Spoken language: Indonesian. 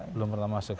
belum pernah masuk